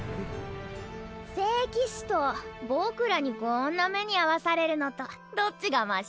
聖騎士と僕らにこんな目に遭わされるのとどっちがマシ？